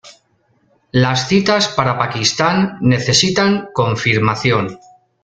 Las citas para Pakistán necesitan confirmación.